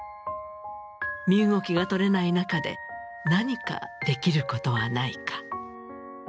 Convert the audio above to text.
身動きが取れない中で何かできることはないか。